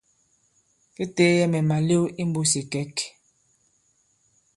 Kê teeyɛ mɛ̀ màlew i mbūs ì ìkɛ̌k.